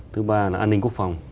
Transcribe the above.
thứ ba là an ninh quốc phòng